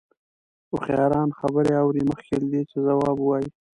هوښیاران خبرې اوري مخکې له دې چې ځواب ووايي.